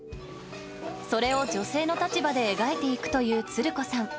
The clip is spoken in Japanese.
それを女性の立場で描いていくという、つる子さん。